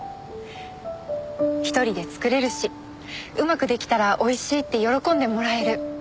１人で作れるしうまく出来たらおいしいって喜んでもらえる。